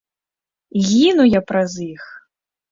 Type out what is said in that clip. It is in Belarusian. Гіну я праз іх!